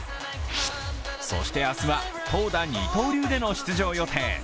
そして明日は、投打二刀流での出場予定。